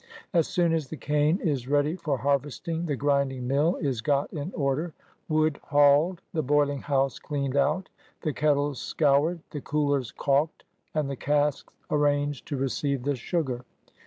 As soon as the cane is ready for harvesting, the grincling mill is got in order, wood hauled, the boiling house cleaned out, the kettles scoured, the coolers caulked, and the casks arranged to receive the sugar.